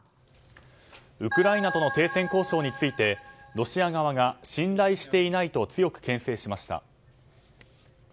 ウクライナとの停戦交渉についてロシア側が信頼していないと強く牽制しました。